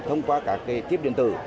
thông qua các cái kiếp điện tử